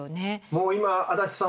もう今足立さん